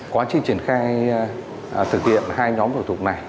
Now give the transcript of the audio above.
quá trình triển khai thực hiện hai nhóm thủ tục này